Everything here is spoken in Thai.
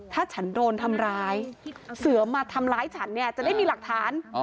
ถ้าฉันโดนทำร้ายเสือมาทำร้ายฉันเนี่ยจะได้มีหลักฐาน